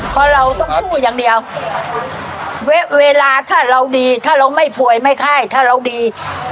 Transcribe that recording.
เพราะเราต้องสู้อย่างเดียวเวลาถ้าเราดีถ้าเราไม่ป่วยไม่ไข้ถ้าเราดี